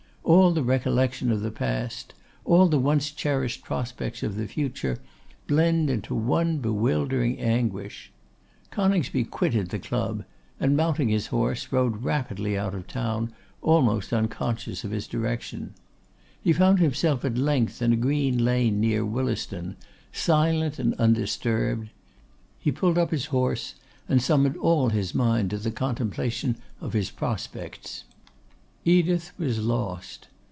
All the recollection of the past, all the once cherished prospects of the future, blend into one bewildering anguish. Coningsby quitted the club, and mounting his horse, rode rapidly out of town, almost unconscious of his direction. He found himself at length in a green lane near Willesden, silent and undisturbed; he pulled up his horse, and summoned all his mind to the contemplation of his prospects. Edith was lost.